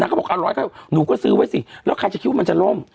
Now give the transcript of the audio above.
ก็บอกร้อยเข้าหนูก็ซื้อไว้สิแล้วใครจะคิดว่ามันจะล่ม